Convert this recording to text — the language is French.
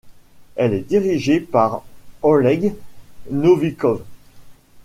Elle est dirigée par Oleg Novikov.